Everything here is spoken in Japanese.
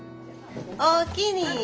おおきに。